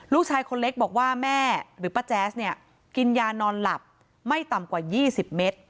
ลูกชายคนเล็กบอกว่าแม่หรือป้าแจ๊สเนี่ยกินยานอนหลับไม่ต่ำกว่า๒๐เมตร